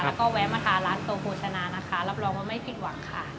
แล้วก็แวะมาทานร้านโตโภชนานะคะรับรองว่าไม่ผิดหวังค่ะ